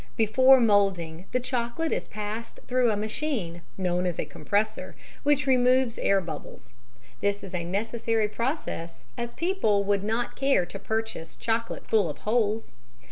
Before moulding, the chocolate is passed through a machine, known as a compressor, which removes air bubbles. This is a necessary process, as people would not care to purchase chocolate full of holes.